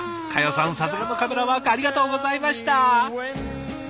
さすがのカメラワークありがとうございました。